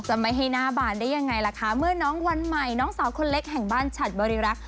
ไม่ให้หน้าบานได้ยังไงล่ะคะเมื่อน้องวันใหม่น้องสาวคนเล็กแห่งบ้านฉัดบริรักษ